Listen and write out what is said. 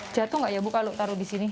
jatuh nggak ya bu kalau taruh di sini